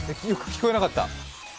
聞こえなかった。